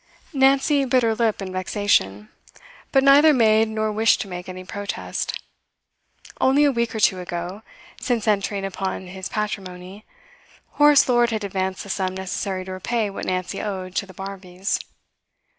Nancy bit her lip in vexation, but neither made nor wished to make any protest. Only a week or two ago, since entering upon his patrimony, Horace Lord had advanced the sum necessary to repay what Nancy owed to the Barmbys.